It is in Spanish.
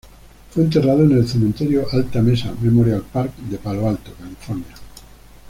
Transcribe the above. Fue enterrado en el Cementerio Alta Mesa Memorial Park de Palo Alto, California.